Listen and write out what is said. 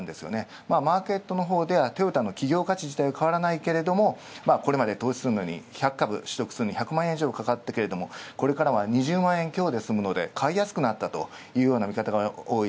マーケットはトヨタの企業価値は変わらないがこれまで投資するのに１００株取得するのに１００万以上かかったが、これからは２０万円強ですむので買いやすくなったという見方が多い。